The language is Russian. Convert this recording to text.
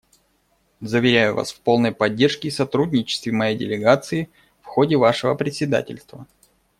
Заверяю вас в полной поддержке и сотрудничестве моей делегации в ходе вашего председательства.